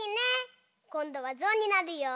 こんどはぞうになるよ！